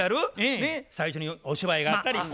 ねっ最初にお芝居があったりして。